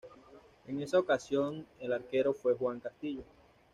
En esa ocasión el arquero fue Juan Castillo.